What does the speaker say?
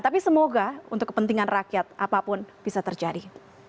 tapi semoga untuk kepentingan rakyat apapun bisa terjadi